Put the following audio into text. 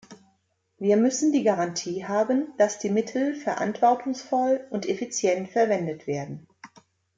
Wir müssen die Garantie haben, dass die Mittel verantwortungsvoll und effizient verwendet werden.